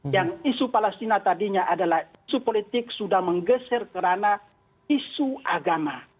yang isu palestina tadinya adalah isu politik sudah menggeser ke ranah isu agama